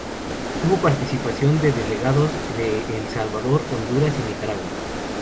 Hubo participación de delegados de El Salvador, Honduras y Nicaragua.